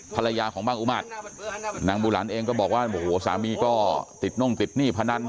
ภรรยาของบังอุมาตรนางบูหลันเองก็บอกว่าโอ้โหสามีก็ติดน่งติดหนี้พนัน